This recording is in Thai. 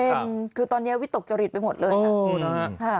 เป็นคือตอนนี้วิตกจริตไปหมดเลยค่ะ